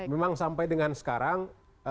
memang sampai dengan sekarang